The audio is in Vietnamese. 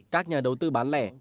các nhà đầu tư bán lẻ